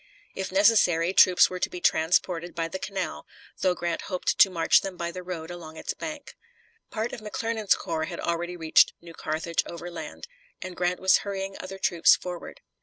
If necessary, troops were to be transported by the canal, though Grant hoped to march them by the road along its bank. Part of McClernand's corps had already reached New Carthage overland, and Grant was hurrying other troops forward.